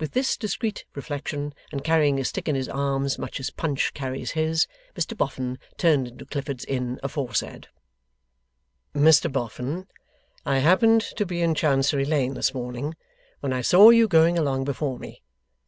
With this discreet reflection, and carrying his stick in his arms much as Punch carries his, Mr Boffin turned into Clifford's Inn aforesaid.) 'Mr Boffin, I happened to be in Chancery Lane this morning, when I saw you going along before me.